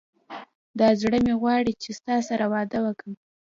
دا زړه مي غواړي چي ستا سره واده وکم